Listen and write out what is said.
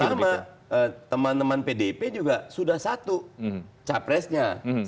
dan memang sama teman teman bdip juga sudah satu capres capres